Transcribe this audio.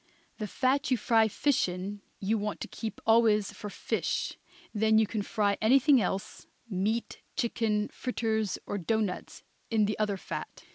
The fat you fry fish in you want to keep always for fish; then you can fry anything else, meat, chicken, fritters or doughnuts, in the other fat.